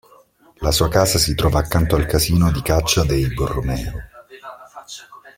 La sua casa si trova accanto al Casino di Caccia dei Borromeo.